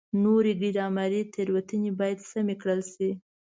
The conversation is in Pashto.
نورې ګرامري تېروتنې باید سمې کړل شي.